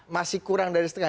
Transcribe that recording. masih kurang dari setengah